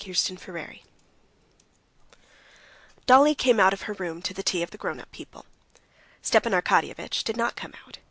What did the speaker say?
Chapter 21 Dolly came out of her room to the tea of the grown up people. Stepan Arkadyevitch did not come out.